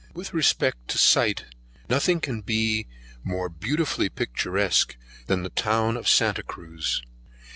With respect to site nothing can be more beautifully picturesque than the town of Santa Cruz.